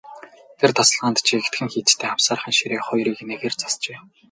Тэр тасалгаанд жигдхэн хийцтэй авсаархан ширээ хоёр эгнээгээр засжээ.